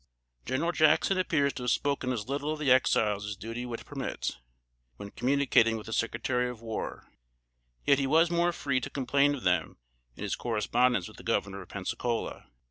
General Jackson appears to have spoken as little of the Exiles as duty would permit, when communicating with the Secretary of War; yet he was more free to complain of them in his correspondence with the Governor of Pensacola.